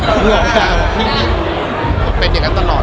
เพราะผมเป็นเหมือนกันตลอด